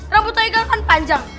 rambutnya akan panjang